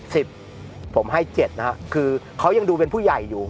สิบผมให้เจ็ดนะฮะคือเขายังดูเป็นผู้ใหญ่อยู่